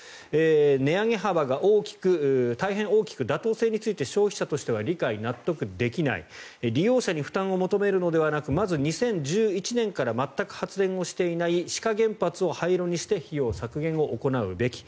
値上げ幅が大変大きく妥当性について消費者としては理解・納得できない利用者に負担を求めるのではなくまず２０１１年から全く発電していない志賀原発を廃炉にして費用削減を行うべき。